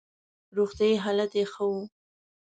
روغتیايي حالت یې ښه وو.